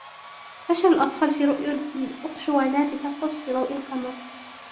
فشل الأطفال في رؤية الإقحوانات ترقص في ضوء القمر.